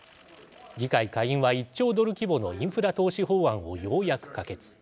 議会下院は１兆ドル規模のインフラ投資法案をようやく可決。